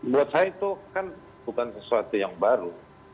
buat saya itu kan bukan sesuatu yang baru